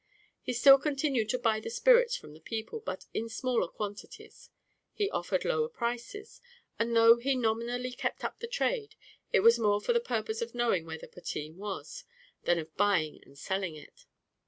He still continued to buy the spirits from the people, but in smaller quantities; he offered lower prices; and though he nominally kept up the trade, it was more for the purpose of knowing where the potheen was, than of buying and selling it.